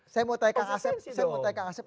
saya mau taikan aset